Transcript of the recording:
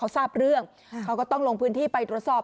เขาทราบเรื่องเขาก็ต้องลงพื้นที่ไปตรวจสอบ